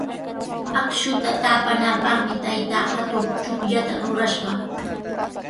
Akshuta taapanapaqmi taytaa hatun chukllata rurashqa.